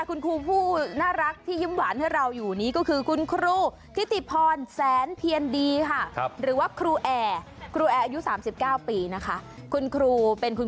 คุณครูผู้น่ารักที่ยื้มหวานให้เราอยู่นี้ก็คือคุณครู